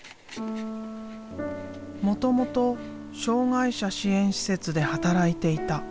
もともと障害者支援施設で働いていた。